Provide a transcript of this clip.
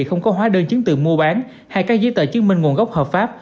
không có hóa đơn chứng từ mua bán hay các giấy tờ chứng minh nguồn gốc hợp pháp